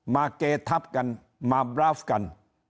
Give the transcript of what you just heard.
มาเกเทพกันมาบราฟกัน